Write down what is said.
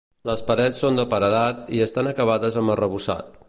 Les parets són de paredat i estan acabades amb arrebossat.